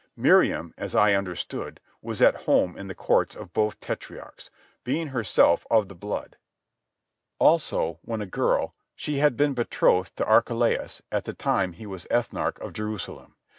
Miriam, as I understood, was at home in the courts of both tetrarchs, being herself of the blood. Also, when a girl, she had been betrothed to Archelaus at the time he was ethnarch of Jerusalem.